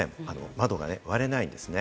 窓が割れないんです。